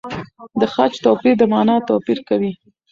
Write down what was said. د خج توپیر د مانا توپیر کوي.